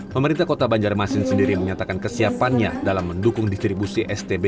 pemerintah kota banjarmasin sendiri menyatakan kesiapannya dalam mendukung distribusi stb